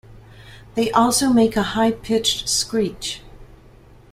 They also make a high pitched screech.